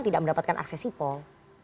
tidak mendapatkan akses sipol